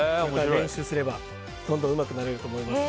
練習すればどんどんうまくなれると思います。